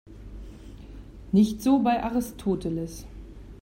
Nicht so bei Aristoteles.